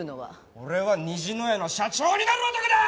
俺は虹の屋の社長になる男だ！